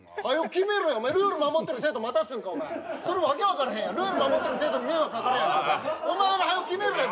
決めろよルール守ってる生徒待たすんかお前それ訳分からへんやんルール守ってる生徒に迷惑かかるやんお前がはよ決めろよ